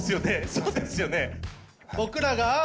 そうですよね。